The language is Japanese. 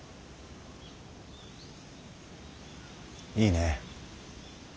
いいね。